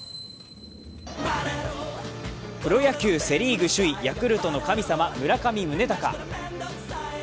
プロ野球、セ・リーグ首位ヤクルトの神様、村上宗隆。